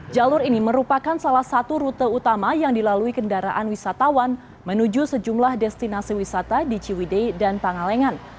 jalur ini merupakan salah satu rute utama yang dilalui kendaraan wisatawan menuju sejumlah destinasi wisata di ciwidei dan pangalengan